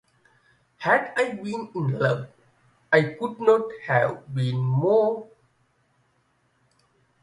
Had I been in love, I could not have been more wretchedly blind.